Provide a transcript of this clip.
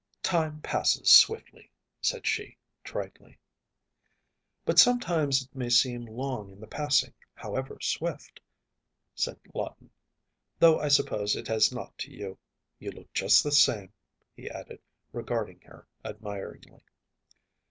“Time passes swiftly,‚ÄĚ said she, tritely. “But sometimes it may seem long in the passing, however swift,‚ÄĚ said Lawton, “though I suppose it has not to you. You look just the same,‚ÄĚ he added, regarding her admiringly.